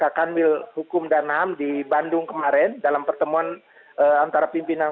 sampaikan dengan kak kanwil hukum dan naham di bandung kemarin dalam pertemuan antara pimpinan